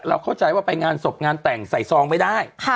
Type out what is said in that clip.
เข้าใจว่าไปงานศพงานแต่งใส่ซองไม่ได้